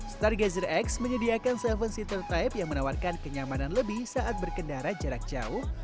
stargazer x menyediakan tujuh seater type yang menawarkan kenyamanan lebih saat berkendara jarak jauh